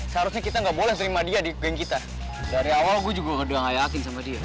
jangan sampai kita mengalahin